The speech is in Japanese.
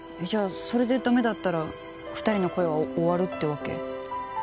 じゃあそれでダメだったら二人の恋は終わるってわけ？